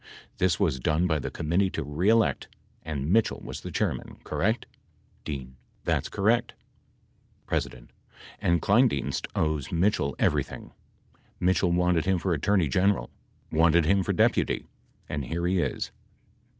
This teas done by the Committee to Re Elect , and Mitchell was the Chairman, correct f D. That's correct ! P. And Kleindienst owes Mitchell everything. Mitchell wanted him for Attorney General. Wanted him for Deputy, and here he is.